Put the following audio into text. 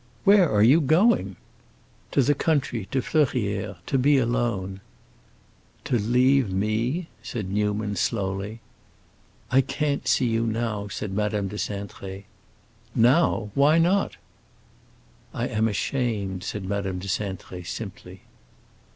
"Where are you going?" "To the country, to Fleurières; to be alone." "To leave me?" said Newman, slowly. "I can't see you, now," said Madame de Cintré. "Now—why not?" "I am ashamed," said Madame de Cintré, simply.